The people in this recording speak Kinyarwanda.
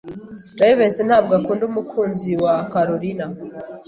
Jivency ntabwo akunda umukunzi wa Kalorina.